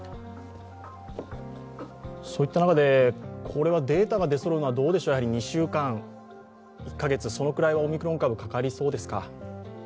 そういった中でデータが出そろうのはどうでしょう、２週間１カ月くらいはかかりそうですか？